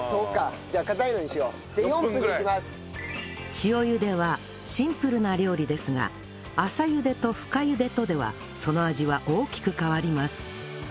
塩ゆではシンプルな料理ですが淺ゆでと深ゆでとではその味は大きく変わります